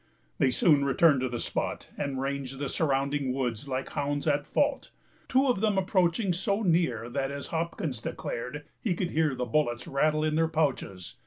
They soon returned to the spot, and ranged the surrounding woods like hounds at fault; two of them approaching so near, that, as Hopkins declared, he could hear the bullets rattle in their pouches.